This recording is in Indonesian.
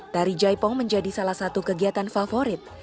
tari jaipong menjadi salah satu kegiatan favorit